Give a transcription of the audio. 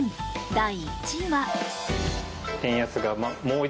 第１位は。